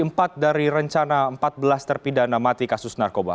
empat dari rencana empat belas terpidana mati kasus narkoba